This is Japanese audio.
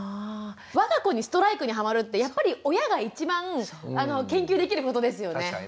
我が子にストライクにはまるってやっぱり親が一番研究できることですよね。